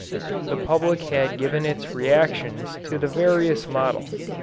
The public had given its reactions to the various models.